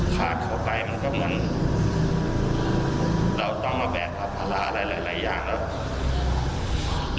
ฆ่าเขาไปมันก็มันเราต้องมาแบบภาระอะไรหลายอย่างแล้ว